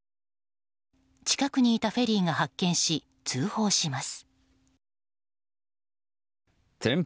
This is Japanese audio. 近くにいたフェリーが発見し通報します。